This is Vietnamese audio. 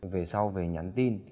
về sau về nhắn tin